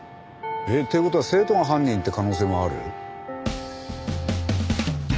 えっ？という事は生徒が犯人って可能性もある？